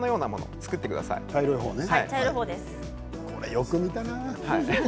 よく見たな。